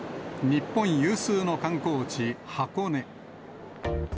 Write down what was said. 日本有数の観光地、箱根。